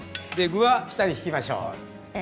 具は下に敷きましょう。